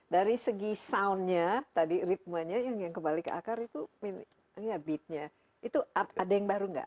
dari segi sound nya tadi ritmanya yang kembali ke akar itu ya beat nya itu ada yang baru nggak